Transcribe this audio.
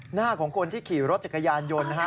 หน้าของคนที่ขับรถกระยานยนต์